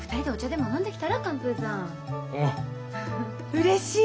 うれしい！